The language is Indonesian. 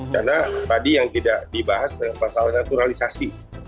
karena tadi yang tidak dibahas adalah masalah naturalisasi